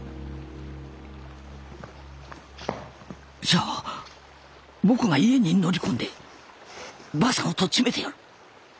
じゃあ僕が家に乗り込んで婆さんをとっちめてやる。